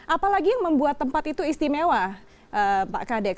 apalagi yang membuat tempat itu istimewa pak kadeks